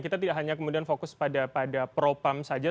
kita tidak hanya kemudian fokus pada propam saja